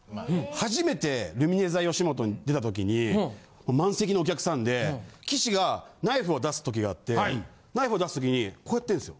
初めてルミネｔｈｅよしもとに出た時に満席のお客さんで岸がナイフを出す時があってナイフを出す時にこうやってんすよ。